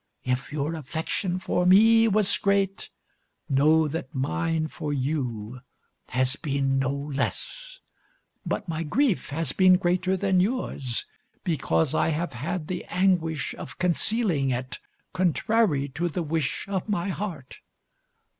If your affection for me was great, know that mine for you has been no less; but my grief has been greater than yours, because I have had the anguish of concealing it contrary to the wish of my heart.